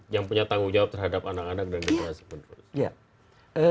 yang punya tanggung jawab terhadap anak anak dan dikeluarkan